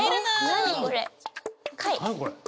何これ。